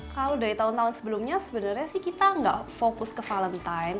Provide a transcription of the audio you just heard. kalau dari tahun tahun sebelumnya sebenarnya sih kita nggak fokus ke valentine